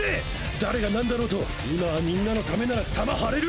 誰が何だろうと今はみんなの為なら命張れる。